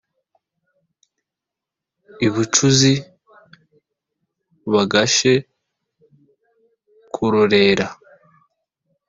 I Bucuzi bagashe kurorera.